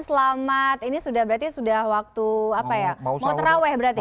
selamat ini sudah berarti sudah waktu apa ya mau terawih berarti ya